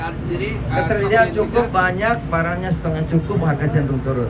ketersediaan cukup banyak barangnya setengah cukup harga cenderung turun